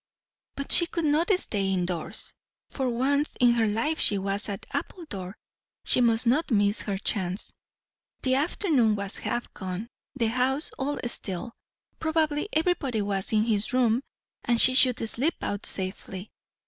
But she could not stay in doors. For once in her life she was at Appledore; she must not miss her chance. The afternoon was half gone; the house all still; probably everybody was in his room, and she could slip out safely.